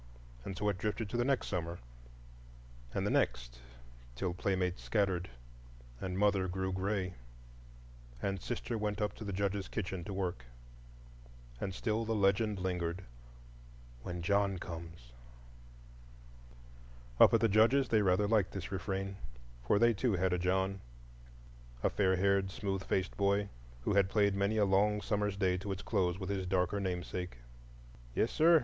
And so it drifted to the next summer, and the next,—till playmates scattered, and mother grew gray, and sister went up to the Judge's kitchen to work. And still the legend lingered,—"When John comes." Up at the Judge's they rather liked this refrain; for they too had a John—a fair haired, smooth faced boy, who had played many a long summer's day to its close with his darker namesake. "Yes, sir!